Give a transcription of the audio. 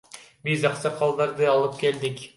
Биз аксакалдарды алып келдик.